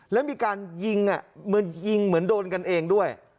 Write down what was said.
แล้วมีการยิงเหมือนโดนกันเองด้วย